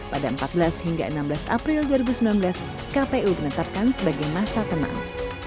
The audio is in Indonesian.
pada empat belas hingga enam belas april dua ribu sembilan belas kpu menetapkan sebagai masa tenang